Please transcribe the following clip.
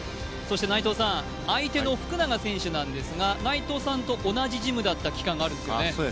相手の福永選手ですが、内藤さんと同じジムだった期間があるんですね。